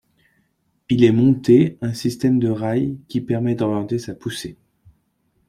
Il est monté un système de rails qui permet d'orienter sa poussée.